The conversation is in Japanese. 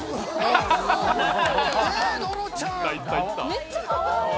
めっちゃかわいい！